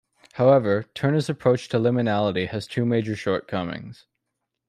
However, Turner's approach to liminality has two major shortcomings.